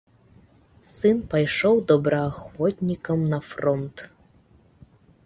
Сын пайшоў добраахвотнікам на фронт.